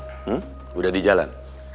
hmm udah di jalan